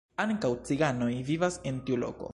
Ankaŭ ciganoj vivas en tiu loko.